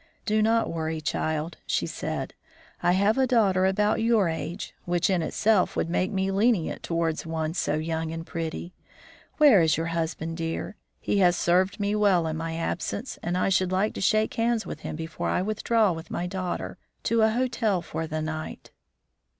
"Do not worry, child," she said, "I have a daughter about your age, which in itself would make me lenient towards one so young and pretty. Where is your husband, dear? He has served me well in my absence, and I should like to shake hands with him before I withdraw with my daughter, to a hotel for the night."